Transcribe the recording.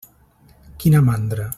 Quina mandra!